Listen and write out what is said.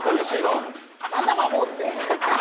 何だよ、魔法って。